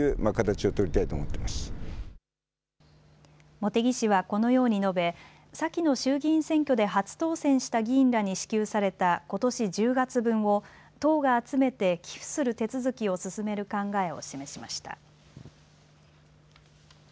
茂木氏はこのように述べ先の衆議院選挙で初当選した議員らに支給されたことし１０月分を党が集めて寄付する手続きを進める考えを示しました。